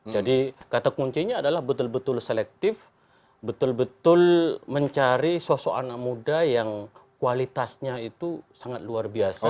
jadi kata kuncinya adalah betul betul selektif betul betul mencari sosok anak muda yang kualitasnya itu sangat luar biasa